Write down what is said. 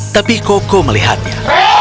tapi koko melihatnya